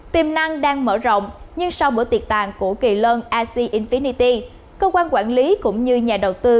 tiềm năng đang mở rộng nhưng sau bữa tiệc tàn của kỳ lân ac inpity cơ quan quản lý cũng như nhà đầu tư